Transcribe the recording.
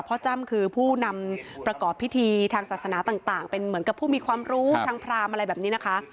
จ้ำคือผู้นำประกอบพิธีทางศาสนาต่างเป็นเหมือนกับผู้มีความรู้ทางพรามอะไรแบบนี้นะคะ